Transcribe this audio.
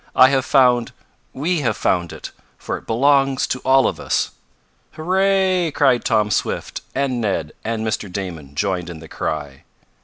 I have found We have found it, for it belongs to all of us!" "Hurray!" cried Tom Swift, and Ned and Mr. Damon joined in the cry.